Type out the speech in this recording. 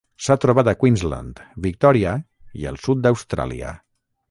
S'ha trobat a Queensland, Victòria i el sud d'Austràlia.